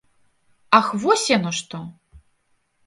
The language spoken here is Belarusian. Ах вось яно што!